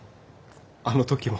あの時も。